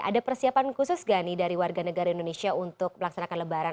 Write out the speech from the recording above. ada persiapan khusus nggak nih dari warga negara indonesia untuk melaksanakan lebaran